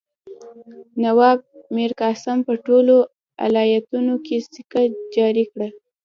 نواب میرقاسم په ټولو ایالتونو کې سکه جاري کړه.